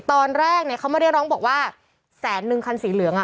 ตอนแรกเนี่ยเขาไม่ได้ร้องบอกว่าแสนนึงคันสีเหลืองอ่ะ